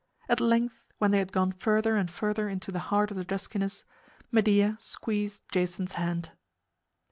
At length, when they had gone further and further into the heart of the duskiness, Medea squeezed Jason's hand.